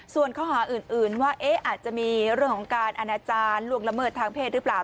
ส่วนข้อหาอื่นว่าอาจจะมีเรื่องของการอาณาจารย์ล่วงละเมิดทางเพศหรือเปล่า